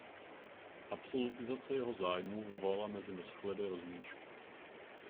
Absolutizace jeho zájmů vyvolala mezi noshledy rozmíšku.